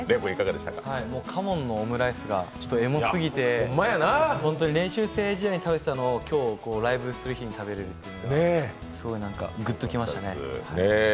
花門のオムライスがエモすぎて本当に練習する日に食べてたのを今日ライブする日に食べるっていうのにすごい、なんかグッときました。